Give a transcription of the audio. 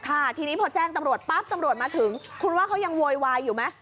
ค่ะทีนี้พอแจ้งตำรวจปั๊บตำรวจมาถึงคุณว่าเขายังโวยวายอยู่ไหม